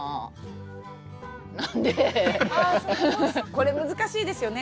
これ難しいですよね。